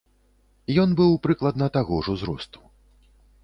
Ён быў прыкладна таго ж узросту.